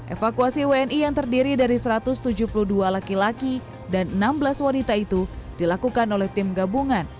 evakuasi wni yang terdiri dari satu ratus tujuh puluh dua laki laki dan enam belas wanita itu dilakukan oleh tim gabungan